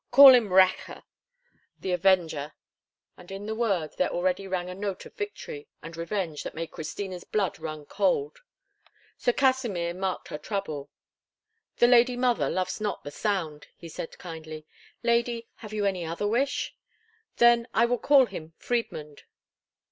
Call him Rächer (the avenger);" and in the word there already rang a note of victory and revenge that made Christina's blood run cold. Sir Kasimir marked her trouble. "The lady mother loves not the sound," he said, kindly. "Lady, have you any other wish? Then will I call him Friedmund."